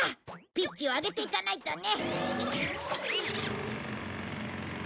ピッチを上げていかないとね。